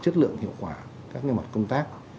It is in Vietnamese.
chất lượng hiệu quả các mặt công tác